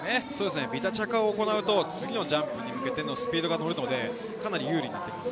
ビタ着を行うと、次のジャンプに向けてのスピードがのるので、かなり有利です。